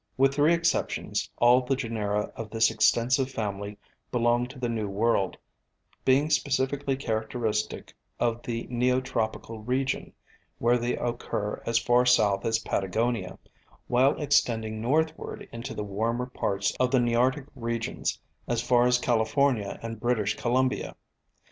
With three exceptions, all the genera of this extensive family belong to the New World, being specially characteristic of the Neotropical region, where they occur as far south as Patagonia, while extending northward into the warmer parts of the Nearctic regions as far as California and British Columbia.